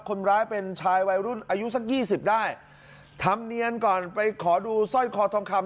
คนร้ายเป็นชายวัยรุ่นอายุสักยี่สิบได้ทำเนียนก่อนไปขอดูสร้อยคอทองคำ